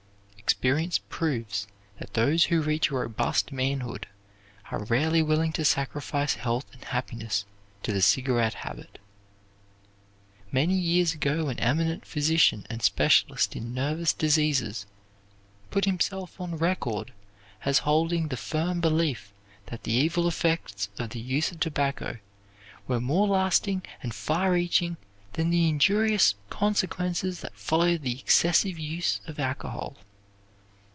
Experience proves that those who reach a robust manhood are rarely willing to sacrifice health and happiness to the cigarette habit. Many years ago an eminent physician and specialist in nervous diseases put himself on record as holding the firm belief that the evil effects of the use of tobacco were more lasting and far reaching than the injurious consequences that follow the excessive use of alcohol.